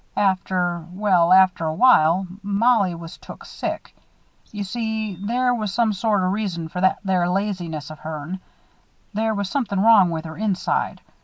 "After well, after a while Mollie was took sick. You see there was some sort o' reason for that there laziness of hern. There was something wrong with her inside.